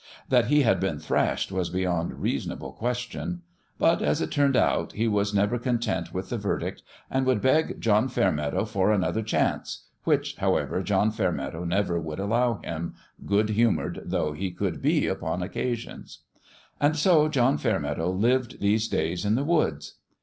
That he had been thrashed was beyond reason able question ; but, as it turned out, he was never content with the verdict, and would beg John Fairmeadow for another chance, which, however, John Fairmeadow never would allow him, good FIST PL A Y 151 humoured though he could be upon occasions. And so John Fairmeadow lived these days in the woods.